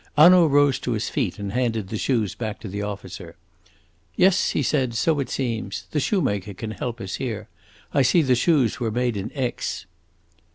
Hanaud rose to his feet and handed the shoes back to the officer. "Yes," he said, "so it seems. The shoemaker can help us here. I see the shoes were made in Aix."